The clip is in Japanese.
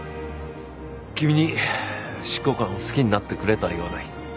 君に執行官を好きになってくれとは言わない。